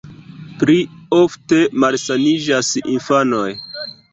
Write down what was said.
Pli ofte malsaniĝas infanoj.